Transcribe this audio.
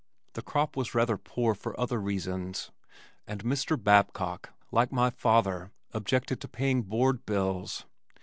The crop was rather poor for other reasons, and Mr. Babcock, like my father, objected to paying board bills.